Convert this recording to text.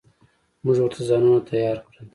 موږ ورته ځانونه تيار کړل.